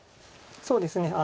そうですね。